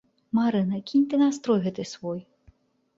Марына, кінь ты настрой гэты свой.